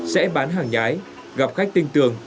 sẽ bán hàng nhái gặp khách tinh tường